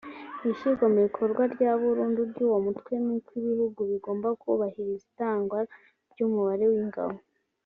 Ishyirwa mu bikorwa rya burundu ry’uwo mutwe ni uko ibihugu bigomba kubahiriza itangwa ry’umubare w’ingabo